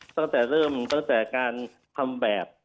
ตั้งแต่เริ่มตั้งแต่การทำแบบ